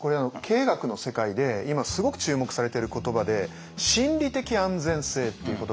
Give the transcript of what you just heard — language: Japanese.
経営学の世界で今すごく注目されている言葉で心理的安全性っていう言葉があるんですね。